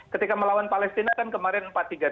ketika melawan palestina kan kemarin empat tiga dua